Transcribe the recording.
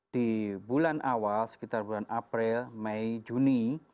di bulan awal sekitar bulan april mei juni